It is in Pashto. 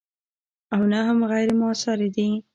او نه هم غیر موثرې دي.